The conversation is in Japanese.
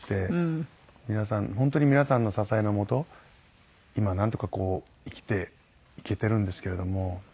本当に皆さんの支えのもと今なんとかこう生きていけてるんですけれども。